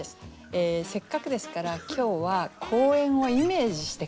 せっかくですから今日は公園をイメージして下さい。